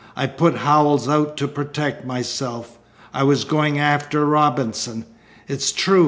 I put Howells out to protect myself. I was going after Robinson. It's true.